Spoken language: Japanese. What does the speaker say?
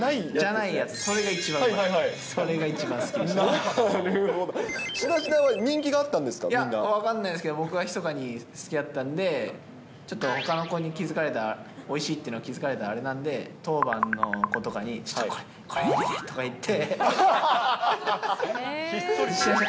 いや、分かんないですけど、僕はひそかに好きやったんで、ちょっとほかの子に気付かれたら、おいしいっていうの気付かれたらあれなんで、当番の子とかに、ちょっとこれ、これ入れてとか言って。